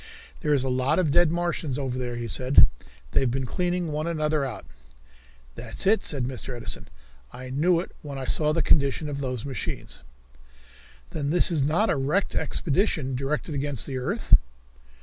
"There is a lot of dead Martians over there," he said. "They've been cleaning one another out." "That's it," said Mr. Edison. "I knew it when I saw the condition of those machines." "Then this is not a wrecked expedition, directed against the earth?"